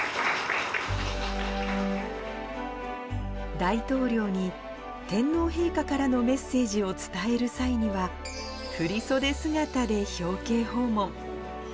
大統領に、天皇陛下からのメッセージを伝える際には、振り袖姿で表敬訪問。